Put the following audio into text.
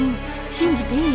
信じていい？